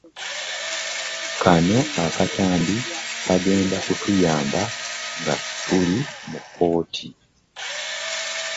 Kano akatambi kagenda kutuyamba nga tuli mu kkooti.